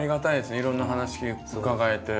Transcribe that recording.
いろんな話伺えて。